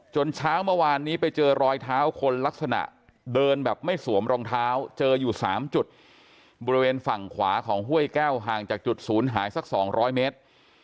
เช้าเมื่อวานนี้ไปเจอรอยเท้าคนลักษณะเดินแบบไม่สวมรองเท้าเจออยู่๓จุดบริเวณฝั่งขวาของห้วยแก้วห่างจากจุดศูนย์หายสัก๒๐๐เมตร